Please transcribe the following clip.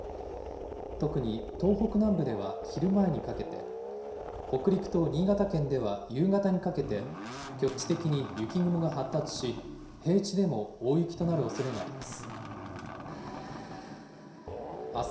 特に東北南部では昼前にかけて、北陸と新潟県では夕方にかけて、局地的に雪雲が発達し、平地でも大雪となるおそれがあります。